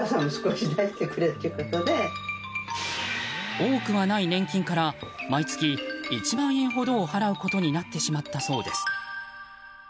多くはない年金から毎月１万円ほどを払うことになってしまったそうです。